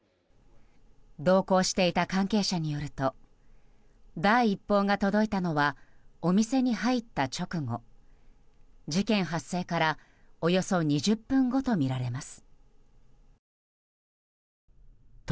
同行していた関係者によると第一報が届いたのはお店に入った直後事件発生からおよそ２０分後とみられます。